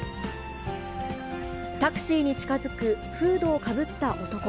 タクシーに近づくフードをかぶった男。